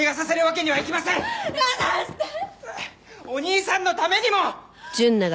お兄さんのためにも！